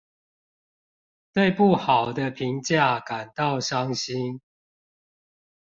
對不好的評價感到傷心